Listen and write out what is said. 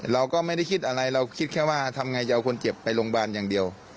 เราก็ไม่ได้คิดอะไรเราคิดแค่ว่าทำไงจะเอาคนเจ็บไปโรงพยาบาลอย่างเดียว